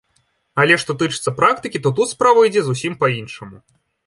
Але што тычыцца практыкі, то тут справа ідзе зусім па-іншаму.